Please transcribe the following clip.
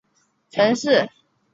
奉司马昭之命弑害魏帝曹髦。